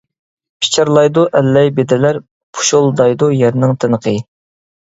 پىچىرلايدۇ ئەللەي بېدىلەر، پۇشۇلدايدۇ يەرنىڭ تىنىقى.